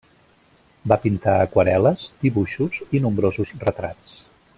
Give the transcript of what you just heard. Va pintar aquarel·les, dibuixos i nombrosos retrats.